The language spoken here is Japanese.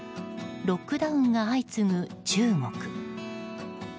ロックダウンが相次ぐ中国。